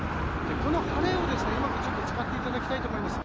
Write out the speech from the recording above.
この晴れを、うまく使っていただきたいと思います。